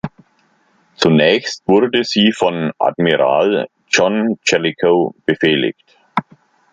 Zunächst wurde sie von Admiral John Jellicoe befehligt.